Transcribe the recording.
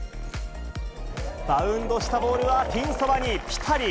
バウンドしたボールはピンそばにぴたり。